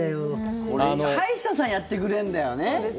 歯医者さんやってくれんだよね。